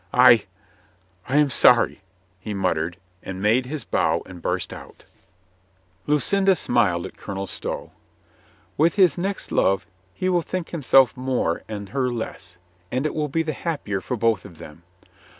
"I — I am sorry," he muttered, and made his bow and bur^ out. 142 COLONEL GREATHEART Lucinda smiled at Colonel Stow. "With his next love, he will think himself more and her less, and it will be the happier for both of them.